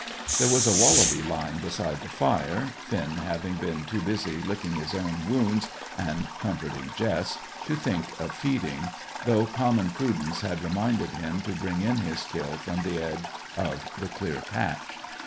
There was a wallaby lying beside the fire, Finn having been too busy licking his own wounds and comforting Jess to think of feeding, though common prudence had reminded him to bring in his kill from the edge of the clear patch.